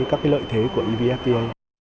các lợi thế của evfta